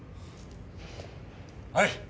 はい！